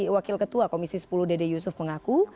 wakil ketua komisi sepuluh dede yusuf mengaku